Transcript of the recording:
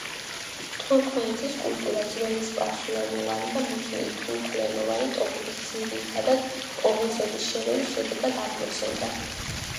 თურქმენეთის კულტურა ძველი სპარსულენოვანი და მოსული თურქულენოვანი ტომების, ძირითადად ოღუზების, შერევის შედეგად აღმოცენდა.